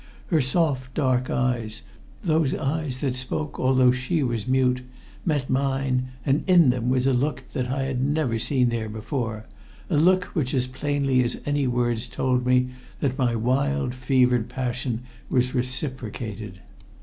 Her soft, dark eyes those eyes that spoke although she was mute met mine, and in them was a look that I had never seen there before a look which as plainly as any words told me that my wild fevered passion was reciprocated.